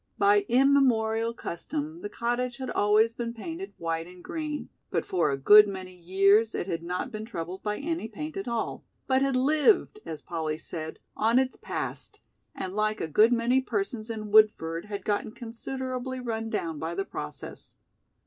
By immemorial custom the cottage had always been painted white and green, but for a good many years it had not been troubled by any paint at all, "but had lived," as Polly said, "on its past, and like a good many persons in Woodford had gotten considerably run down by the process."